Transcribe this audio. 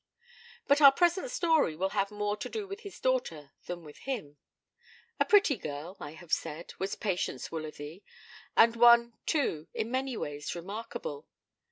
But our present story will have more to do with his daughter than with him. A pretty girl, I have said, was Patience Woolsworthy; and one, too, in many ways remarkable.